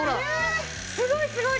すごいすごい！